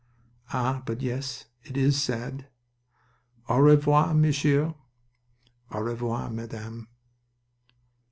"Ah, but yes. It is sad! Au revoir, Monsieur." "Au revoir, Madame."